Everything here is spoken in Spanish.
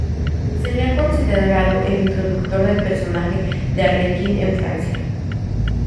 Se le ha considerado el introductor del personaje de Arlequín en Francia.